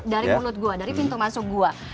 dari mulut gue dari pintu masuk gua